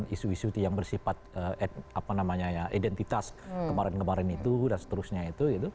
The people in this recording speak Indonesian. isu isu yang bersifat identitas kemarin kemarin itu dan seterusnya itu